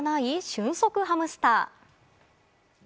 俊足ハムスター。